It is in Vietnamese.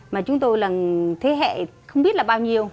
mà chúng tôi là thế hệ không biết là bao nhiêu